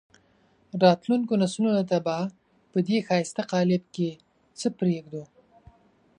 راتلونکو نسلونو ته به په دې ښایسته قالب کې څه پرېږدو.